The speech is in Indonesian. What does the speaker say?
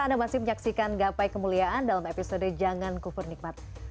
anda masih menyaksikan gapai kemuliaan dalam episode jangan kufur nikmat